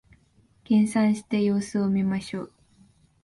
減産して様子を見ましょう